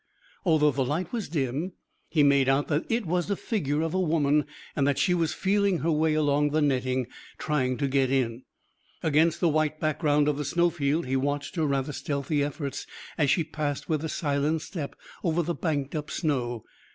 Although the light was dim he made out that it was the figure of a woman and that she was feeling her way along the netting, trying to get in. Against the white background of the snow field he watched her rather stealthy efforts as she passed with a silent step over the banked up snow.